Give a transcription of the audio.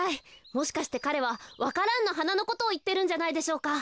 もしかしてかれはわか蘭のはなのことをいってるんじゃないでしょうか。